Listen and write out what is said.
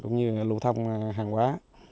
cũng như lưu thông hàng quá